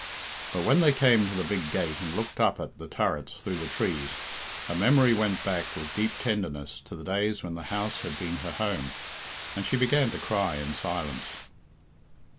But when they came to the big gate and looked up at the turrets through the trees, her memory went back with deep tenderness to the days when the house had been her home, and she began to cry in silence.